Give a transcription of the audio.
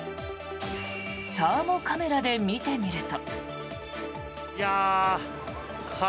サーモカメラで見てみると。